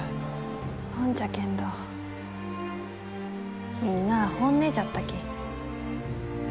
ほんじゃけんどみんなあ本音じゃったき。